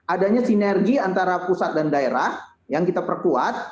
adanya sinergi antara pusat dan daerah yang kita perkuat